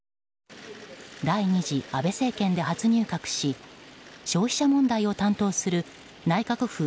第２次安倍政権で初入閣し消費者問題を担当する内閣府